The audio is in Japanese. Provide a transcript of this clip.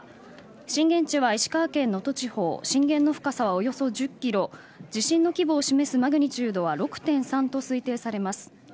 震源地は石川県能登地方震源の深さはおよそ１０キロ地震の規模を示すマグニチュードは６．３と推定されます。